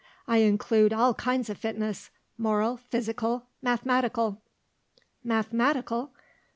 I include all kinds of fitness, moral, physical, mathematical." "Mathematical!"